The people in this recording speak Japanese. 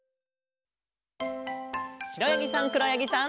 しろやぎさんくろやぎさん。